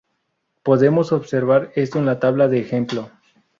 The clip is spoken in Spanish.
Podemos observar esto en la tabla de ejemplo.